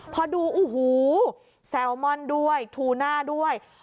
พอดูโอ้โหแซลมอนด้วยทูน่าด้วย